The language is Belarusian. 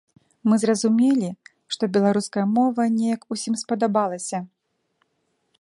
Мы зразумелі, што беларуская мова неяк усім спадабалася.